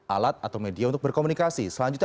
alat atau media untuk berkomunikasi selanjutnya